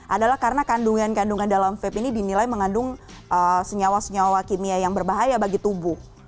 adalah karena kandungan kandungan dalam vape ini dinilai mengandung senyawa senyawa kimia yang berbahaya bagi tubuh